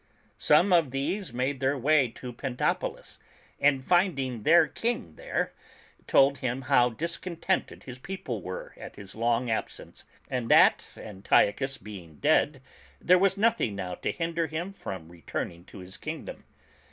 Some of these made their way to Pentapolis, and finding their King there, told him how discontented his people were at his long absence, and that, Antiochus being dead, there was nothing now to hinder him from returning to his kingdom.